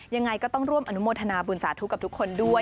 ยังไงก็ต้องร่วมอนุโมทนาบุญสาธุกับทุกคนด้วย